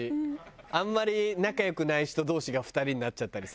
あんまり仲良くない人同士が２人になっちゃったりさ。